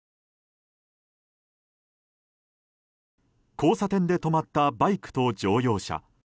交差点で止まったバイクと乗用車。